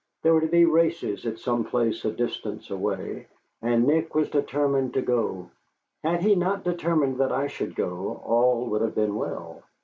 There were to be races at some place a distance away, and Nick was determined to go. Had he not determined that I should go, all would have been well.